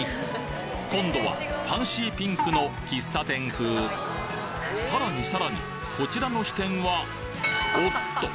今度はファンシーピンクのさらにさらにこちらの支店はおっと！！